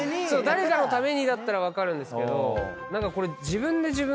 誰かのためにだったら分かるけど。